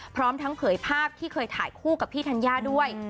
พร้อมทั้งเผยภาพที่เคยถ่ายคู่กับพี่ธัญญาด้วย